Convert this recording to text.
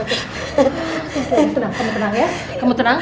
tenang kamu tenang ya kamu tenang